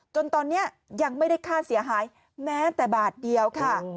จนตอนนี้ยังไม่ได้ค่าเสียหายแม้แต่บาทเดียวค่ะ